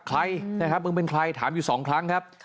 ใครมึงเป็นใครถามอยู่๒ครั้งครับ